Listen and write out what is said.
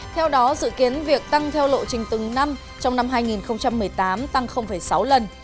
theo đó dự kiến việc tăng theo lộ trình từng năm trong năm hai nghìn một mươi tám tăng sáu lần